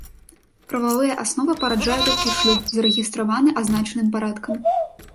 Прававыя асновы параджае толькі шлюб, зарэгістраваны азначаным парадкам.